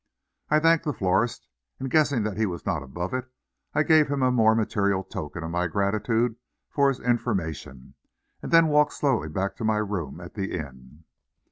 I thanked the florist, and, guessing that he was not above it, I gave him a more material token of my gratitude for his information, and then walked slowly back to my room at the inn.